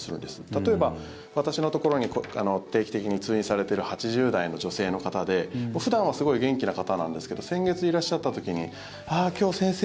例えば、私のところに定期的に通院されている８０代の女性の方で、普段はすごい元気な方なんですけど先月いらっしゃった時にああ、今日、先生